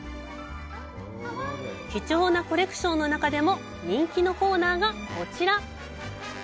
貴重なコレクションの中でも人気のコーナーがこちら。